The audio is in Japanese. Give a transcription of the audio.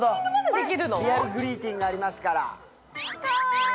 リアルグリーティングがありますから。